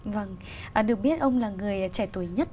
vâng được biết ông là người trẻ tuổi nhất